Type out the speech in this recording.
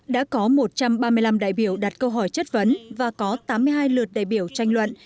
đã có một trăm ba mươi năm đại biểu đặt câu hỏi chất vấn và có tám mươi hai lượt đại biểu tranh luận